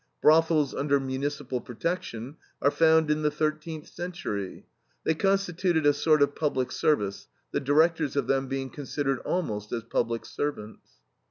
Brothels under municipal protection are found in the thirteenth century. They constituted a sort of public service, the directors of them being considered almost as public servants."